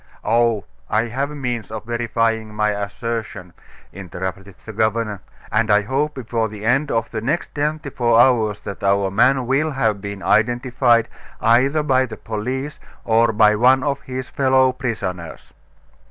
"Oh! I have means of verifying my assertion," interrupted the governor; "and I hope before the end of the next twenty four hours that our man will have been identified, either by the police or by one of his fellow prisoners."